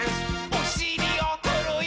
おしりをふるよ。